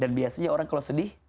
dan biasanya orang kalau sedih